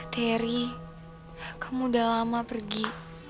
terry kamu udah lama pergi